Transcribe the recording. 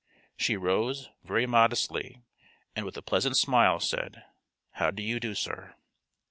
She rose, very modestly, and with a pleasant smile said: 'How do you do, sir?'